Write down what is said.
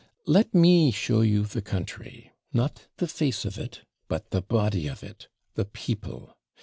Let me show you the country not the face of it, but the body of it the people.